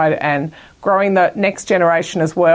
dan mengembangkan generasi berikutnya